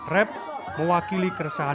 rap mewakili keresahan